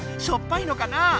しょっぱいのかな？